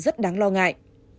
rất đáng lo ngại